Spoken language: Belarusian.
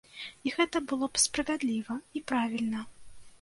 І гэта было б справядліва і правільна.